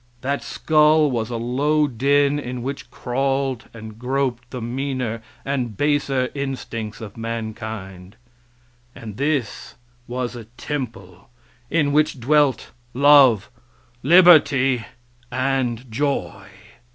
That skull was a low den in which crawled and groped the meaner and baser instincts of mankind, and this was a temple in which dwelt love, liberty and joy.